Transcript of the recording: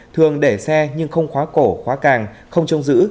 thường để xe nhưng không khóa cổ khóa càng không trông giữ